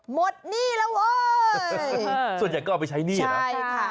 หนี้แล้วเว้ยส่วนใหญ่ก็เอาไปใช้หนี้นะใช่ค่ะ